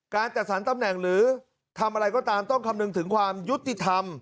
การจัดสรรตำแหน่งหรือทำอะไรก็ตามต้องคำนึงถึงความยุติธรรม